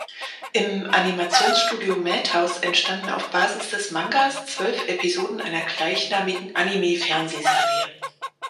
Im Animationsstudio Madhouse entstanden auf Basis des Mangas zwölf Episoden einer gleichnamigen Anime-Fernsehserie.